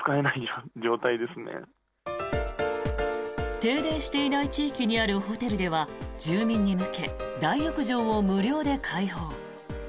停電していない地域にあるホテルでは、住民に向け大浴場を無料で開放。